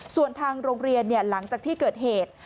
ส่วนทางโรงเรียนหลังจากที่เกิดเหตุ